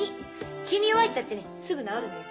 血に弱いったってねすぐ治るのよ。